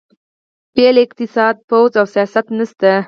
بې له اقتصاده پوځ او سیاست نشته.